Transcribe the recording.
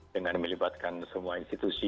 dengan melibatkan semua institusi